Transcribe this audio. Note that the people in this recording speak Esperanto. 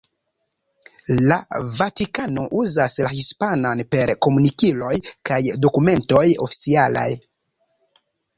La Vatikano uzas la hispanan per komunikiloj kaj dokumentoj oficialaj.